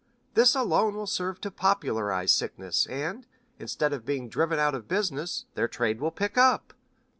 This alone will serve to popularize sickness, and, instead of being driven out of business, their trade will pick up."